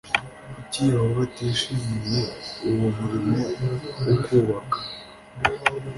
Kuki Yehova atishimiye uwo murimo wo kubaka